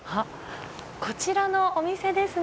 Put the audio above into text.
こちらのお店ですね。